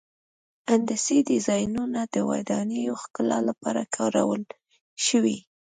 هندسي ډیزاینونه د ودانیو ښکلا لپاره کارول شوي.